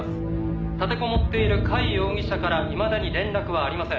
「立てこもっている甲斐容疑者からいまだに連絡はありません」